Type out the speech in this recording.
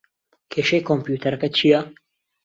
کێشەی کۆمپیوتەرەکەت چییە؟